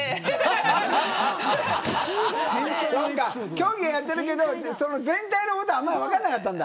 競技はやってるけど全体のことはあんまり分からなかったんだ。